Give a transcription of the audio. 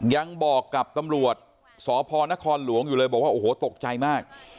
ยังบอกกับตำรวจสพนครหลวงอยู่เลยบอกว่าโอ้โหตกใจมาก